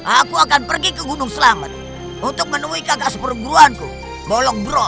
aku akan pergi ke gunung selamat untuk menemui kakak sepuluh guruanku bolong bro